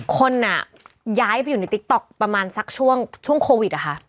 คนย้ายไปอยู่ในติ๊กต๊อกประมาณสักช่วงโควิดนะคะ